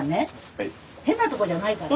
変なとこじゃないから。